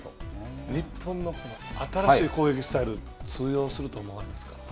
日本の新しい攻撃スタイル、通用すると思われますか。